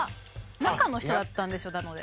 中の人だったんですよなので。